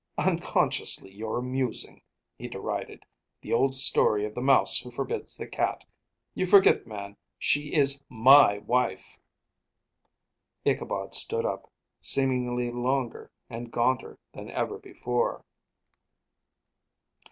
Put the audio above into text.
"Unconsciously, you're amusing," he derided. "The old story of the mouse who forbids the cat.... You forget, man, she is my wife." Ichabod stood up, seemingly longer and gaunter than ever before.